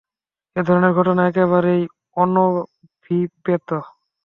এ ধরনের ঘটনা একেবারেই অনভিপ্রেত।